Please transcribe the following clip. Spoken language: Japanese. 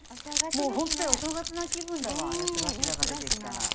もうホントだよ。お正月な気分だわ八つ頭が出てきたら。